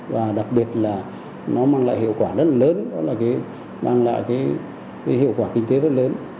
và đặc biệt là nó mang lại hiệu quả rất lớn đó là mang lại cái hiệu quả kinh tế rất lớn